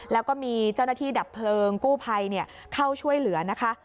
แล้วก็มีเจ้าหน้าที่ดับเพลิงกู้ภัยเข้าช่วยเหลือนะคะ